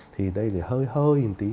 thì đây thì hơi hơi một tí